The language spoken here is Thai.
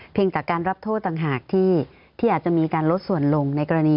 เพียงจากการรับโทษต่างหากที่อาจจะมีการลดส่วนลง